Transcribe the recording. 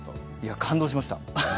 感動しました。